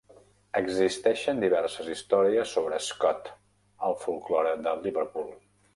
Existeixen diverses històries sobre Scott al folklore de Liverpool.